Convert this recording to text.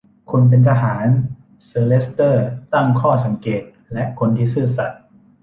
คุณเป็นทหาร เซอร์เลสเตอร์ตั้งข้อสังเกต และคนที่ซื่อสัตย์